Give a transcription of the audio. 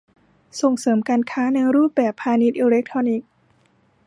ส่งเสริมการค้าในรูปแบบพาณิชย์อิเล็กทรอนิกส์